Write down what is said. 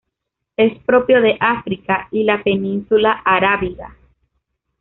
Es propio de África y la península arábiga.